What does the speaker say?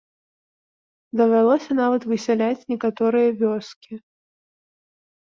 Давялося нават высяляць некаторыя вёскі.